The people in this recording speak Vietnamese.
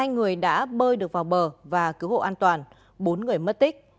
hai người đã bơi được vào bờ và cứu hộ an toàn bốn người mất tích